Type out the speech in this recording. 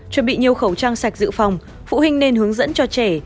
chuẩn bị nhiều khẩu trang sạch dự phòng phụ huynh nên hướng dẫn cho trẻ